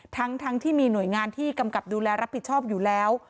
ทั้งที่มีหน่วยงานที่กำกับดูแลรับผิดชอบอยู่แล้ว